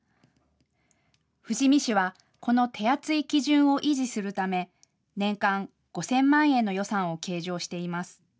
富士見市はこの手厚い基準を維持するため年間５０００万円の予算を計上しています。